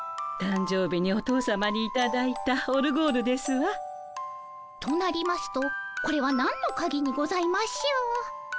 たんじょう日にお父さまにいただいたオルゴールですわ。となりますとこれは何のカギにございましょう？